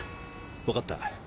分かった。